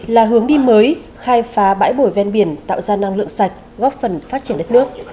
là hướng đi mới khai phá bãi bồi ven biển tạo ra năng lượng sạch góp phần phát triển đất nước